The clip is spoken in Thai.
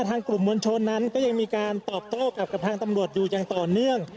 ทางกลุ่มมวลชนนั้นก็ยังมีการตอบโต้กับทางตำรวจอยู่อย่างต่อเนื่อง